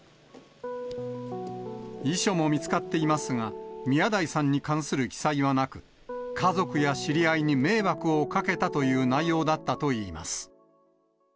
遺書も見つかっていますが、宮台さんに関する記載はなく、家族や知り合いに迷惑をかけたという内容だったといいます。